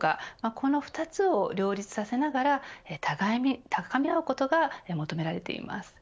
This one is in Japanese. この２つを両立させながら互いに高め合うことが求められています。